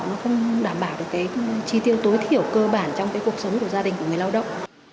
nó không đảm bảo được cái chi tiêu tối thiểu cơ bản trong cái cuộc sống của gia đình của người lao động